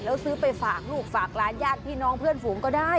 แล้วซื้อไปฝากลูกฝากร้านญาติพี่น้องเพื่อนฝูงก็ได้